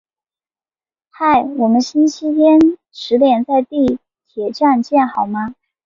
嗨，我们星期日十点在地铁站见好吗？